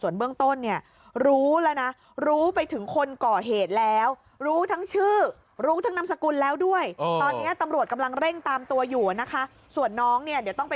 เนี่ยคุณลุงบอกว่าเท่าที่สังเกตน้